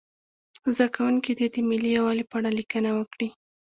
زده کوونکي دې د ملي یووالي په اړه لیکنه وکړي.